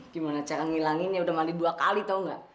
gimana cara ngilangin ya udah mandi dua kali tau gak